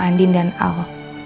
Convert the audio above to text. andin dan al